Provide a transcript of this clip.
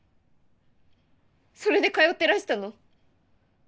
それで通ってらしたの？